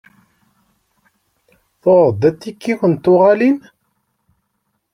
Tuɣeḍ-d atiki n tuɣalin?